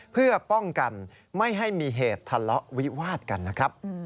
เพื่อป้องกันไม่ให้มีเหตุทะเลาะวิวาดกันนะครับ